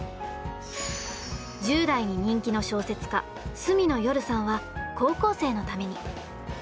１０代に人気の小説家住野よるさんは高校生のために。